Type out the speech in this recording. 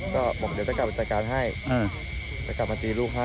ก็บอกเดี๋ยวจะกลับไปจัดการให้จะกลับมาตีลูกให้